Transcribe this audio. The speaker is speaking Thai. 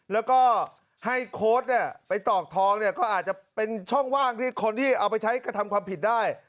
แล้วก็ให้โค้ดเนี่ยไปตอกทองเนี่ยก็อาจจะเป็นช่องว่างที่คนที่เอาไปใช้กระทำความผิดได้